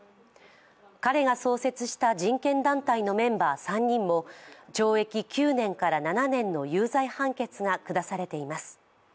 彼が創設した人権団体のメンバー３人も懲役９年から７年の有罪判決が下されています。